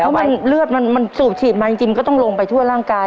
แล้วมันเลือดมันสูบฉีดมาจริงก็ต้องลงไปทั่วร่างกาย